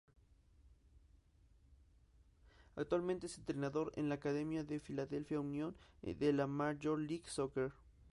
Actualmente es entrenador en la academia del Philadelphia Union de la Major League Soccer.